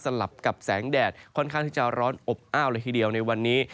ลับกับแสงแดดค่อนข้างที่จะร้อนอบอ้าวเลยทีเดียวในวันนี้